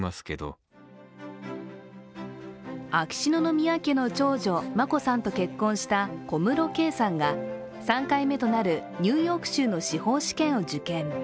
秋篠宮家の長女・眞子さんと結婚した小室圭さんが３回目となるニューヨーク州の司法試験を受験。